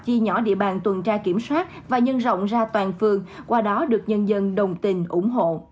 chia nhỏ địa bàn tuần tra kiểm soát và nhân rộng ra toàn phường qua đó được nhân dân đồng tình ủng hộ